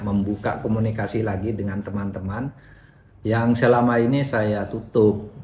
membuka komunikasi lagi dengan teman teman yang selama ini saya tutup